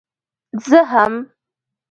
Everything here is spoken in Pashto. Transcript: زه هم.